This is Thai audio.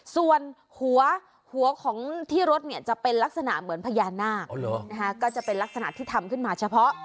ส่วนหัวของที่รถเนี่ยจะเป็นลักษณะเหมือนพญานาคก็จะเป็นลักษณะที่ทำขึ้นมาเฉพาะ